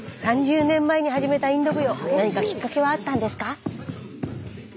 ３０年前に始めたインド舞踊何かきっかけはあったんですか？